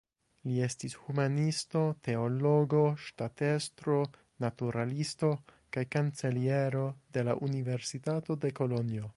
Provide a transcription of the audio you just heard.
Li estis humanisto, teologo, ŝtatestro, naturalisto kaj kanceliero de la Universitato de Kolonjo.